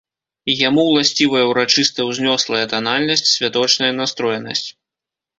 Яму ўласцівая ўрачыста-ўзнёслая танальнасць, святочная настроенасць.